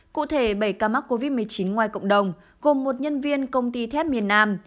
cụ thể bảy ca mắc covid một mươi chín ngoài cộng đồng gồm một nhân viên công ty thép miền nam